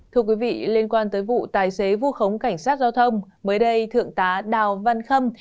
thưa quý vị liên quan tới vụ tài xế vu khống cảnh sát giao thông mới đây thượng tá đào văn khâm